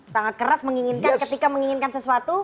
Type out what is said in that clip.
sangat keras menginginkan sesuatu